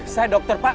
saya dokter pak